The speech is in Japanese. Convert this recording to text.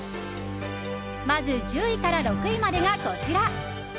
まず、１０位から６位までがこちら。